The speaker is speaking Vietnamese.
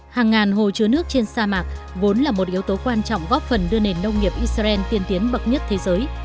hàng ngàn hồ chứa nước trên sa mạc vốn là một yếu tố quan trọng góp phần đưa nền nông nghiệp israel tiên tiến bậc nhất thế giới